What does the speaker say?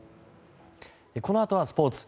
このあとはスポーツ。